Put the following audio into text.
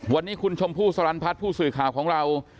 วันนี้คุณชมพู่สรรพัฒน์ผู้สื่อข่าวของเรา